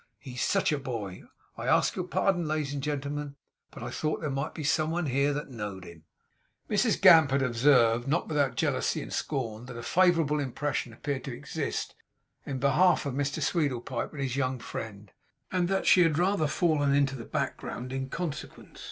He's sech a boy! I ask your pardon, ladies and gentlemen, but I thought there might be some one here that know'd him!' Mrs Gamp had observed, not without jealousy and scorn, that a favourable impression appeared to exist in behalf of Mr Sweedlepipe and his young friend; and that she had fallen rather into the background in consequence.